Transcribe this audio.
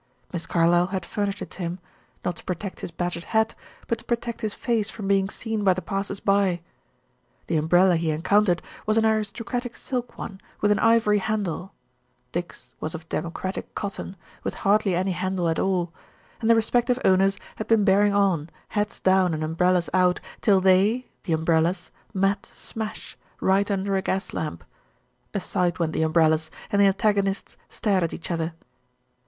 Miss Carlyle had furnished it to him; not to protect his battered hat but to protect his face from being seen by the passers by. The umbrella he encountered was an aristocratic silk one, with an ivory handle; Dick's was of democratic cotton, with hardly any handle at all; and the respective owners had been bearing on, heads down and umbrellas out, till they, the umbrellas, met smash, right under a gas lamp. Aside went the umbrellas, and the antagonists stared at each other.